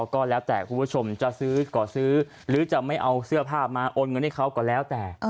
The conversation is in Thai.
ก็แล้วแต่คุณผู้ชมจะซื้อก่อซื้อหรือจะไม่เอาเสื้อผ้ามาโอนเงินให้เขาก็แล้วแต่